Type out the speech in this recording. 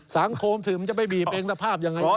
สังคมถึงจะไปบีบเองสภาพยังไง